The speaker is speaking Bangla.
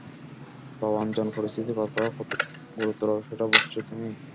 প্রভাঞ্জন, পরিস্থিতি কতটা গুরুতর সেটা বুঝছো তুমি?